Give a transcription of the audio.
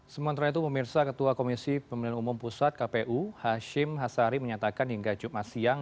sementara itu pemirsa ketua komisi pemilihan umum pusat kpu hashim hasari menyatakan hingga jumat siang